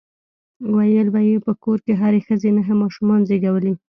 ويل به يې په کور کې هرې ښځې نهه ماشومان زيږولي.